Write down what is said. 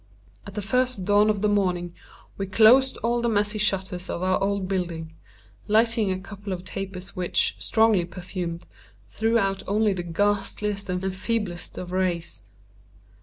At the first dawn of the morning we closed all the messy shutters of our old building; lighting a couple of tapers which, strongly perfumed, threw out only the ghastliest and feeblest of rays.